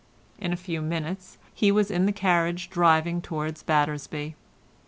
In a few minutes more he was in the carriage driving towards Battersby.